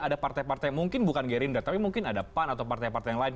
ada partai partai mungkin bukan gerindra tapi mungkin ada pan atau partai partai yang lain